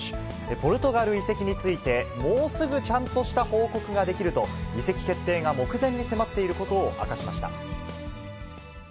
ポルトガル移籍について、もうすぐちゃんとした報告ができると、移籍決定が目前に迫っていることを明かしました。